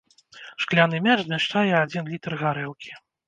Шкляны мяч змяшчае адзін літр гарэлкі.